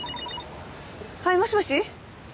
はいもしもし？